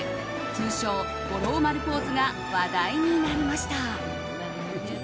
通称・五郎丸ポーズが話題になりました。